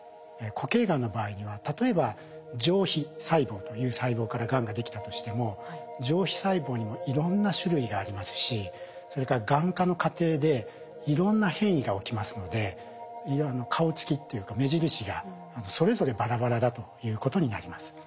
固形がんの場合には例えば上皮細胞という細胞からがんができたとしても上皮細胞にもいろんな種類がありますしそれからがん化の過程でいろんな変異が起きますので顔つきっていうか目印がそれぞれバラバラだということになります。